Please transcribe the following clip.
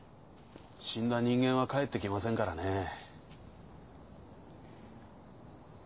死んだ人間は帰ってきませんからね。